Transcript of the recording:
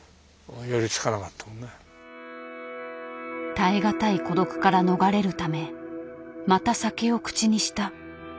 耐え難い孤独から逃れるためまた酒を口にした。